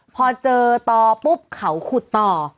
พอเจอต่อปุ๊บเขาขุดต่อ